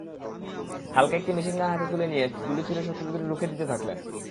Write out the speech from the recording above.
হালকা একটি মেশিনগান হাতে তুলে নিয়ে গুলি ছুড়ে শত্রুদের রুখে দিতে থাকলেন।